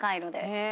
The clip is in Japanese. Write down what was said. へえ。